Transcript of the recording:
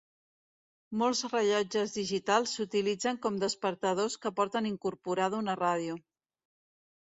Molts rellotges digitals s'utilitzen com despertadors que porten incorporada una ràdio.